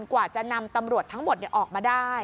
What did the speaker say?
กว่าจะนำตำรวจทั้งหมดออกมาได้